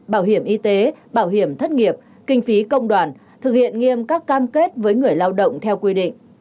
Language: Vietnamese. bảo hiểm y tế bảo hiểm thất nghiệp kinh phí công đoàn thực hiện nghiêm các cam kết với người lao động theo quy định